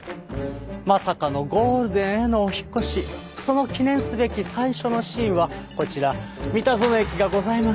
まさかのゴールデンへのお引っ越しその記念すべき最初のシーンはこちら美田園駅がございます